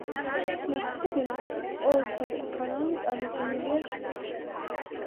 მეხუთე დინასტიის ყველა ცნობილი ფარაონი წარმოდგენილია ცხრილში.